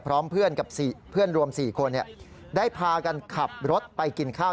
พร้อมเพื่อนกับเพื่อนรวม๔คนได้พากันขับรถไปกินข้าว